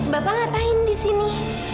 bapak ngapain disini